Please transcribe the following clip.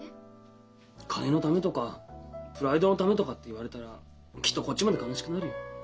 金のためとかプライドのためとかって言われたらきっとこっちまで悲しくなるよ。